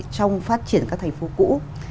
trong phát triển các thành phố cũ